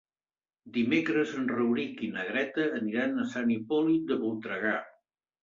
Dimecres en Rauric i na Greta aniran a Sant Hipòlit de Voltregà.